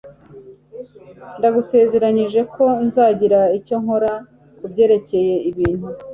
Ndagusezeranije ko nzagira icyo nkora kubyerekeye ibintu.